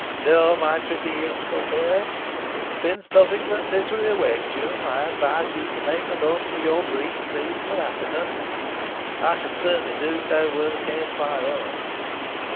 No, my pretty youthful pair, since nothing but misery awaits you, I advise you to make the most of your brief season of happiness. I should certainly do so were the case my own."